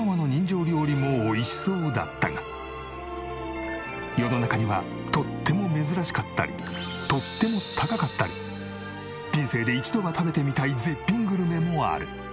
敏子ママの世の中にはとっても珍しかったりとっても高かったり人生で一度は食べてみたい絶品グルメもある。